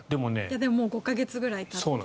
でも５か月ぐらいたって。